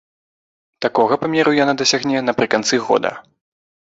Такога памеру яна дасягне напрыканцы года.